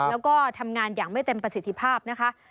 แล้วก็ทำงานอย่างไม่เต็มประสิทธิภาพนะคะ